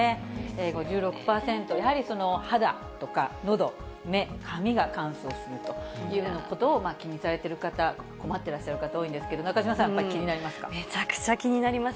５６％、やはり肌とかのど、目、髪が乾燥するというようなことを気にされている方、困ってらっしゃる方、多いんですけど、中島さん、めちゃくちゃ気になります。